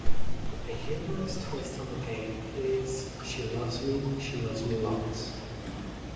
A humorous twist on the game is She loves me, she loves me lots.